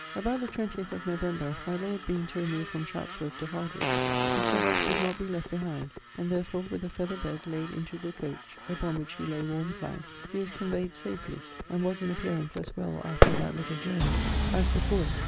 About the 20ᵗʰ of November, my Lord being to remove from Chatsworth to Hardwick, Mr. Hobbes would not be left behind; and therefore with a fether bed laid into the coach, upon which he lay warme clad, he was conveyed safely, and was in appearance as well after that little journey as before it.